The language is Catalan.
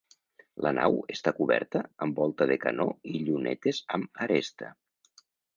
La nau està coberta amb volta de canó i llunetes amb aresta.